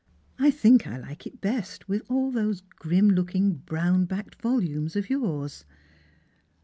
I think I Hke it best with all those grim looking brown backed volumes of yours."